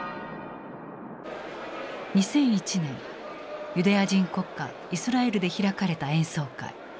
２００１年ユダヤ人国家イスラエルで開かれた演奏会。